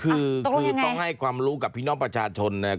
คือคือต้องให้ความรู้กับพี่น้องประชาชนนะครับ